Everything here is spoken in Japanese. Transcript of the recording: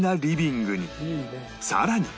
さらに